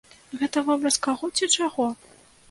Гэта вобраз каго ці чаго?